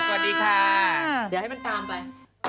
สวัสดีค่ะเดี๋ยวให้มันตามไป